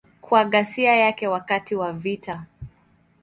Kwa ghasia yake wakati wa vita.